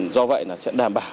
do vậy là sẽ đảm bảo